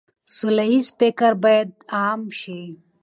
سوله ييز فکر بايد عام شي.